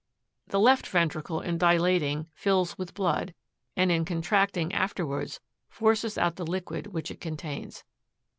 48. The left ventricle in dilating fills with blood, and in con tracting afterwards, forces out the liquid which it contains.